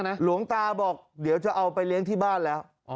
หลวงตาบอกเดี๋ยวจะเอาไปเลี้ยงที่บ้านแล้ว